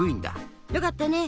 よかったね。